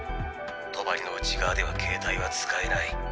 帳の内側では携帯は使えない。